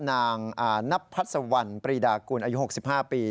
นางนับพัศวรรณปรีดากุลอายุ๖๕ปี